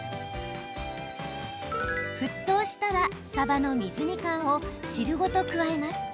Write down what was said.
沸騰したらさばの水煮缶を汁ごと加えます。